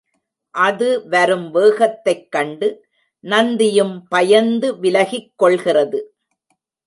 அது வரும் வேகத்தைக் கண்டு, நந்தியும் பயந்து விலகிக் கொள்கிறது.